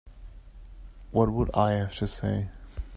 What would I have to say?